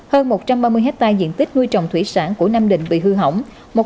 hơn một trăm ba mươi hectare diện tích nuôi trồng thủy sản của nam định bị hư hỏng